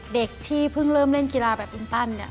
เด็กที่เพิ่งเริ่มเล่นกีฬาแบบอินตันเนี่ย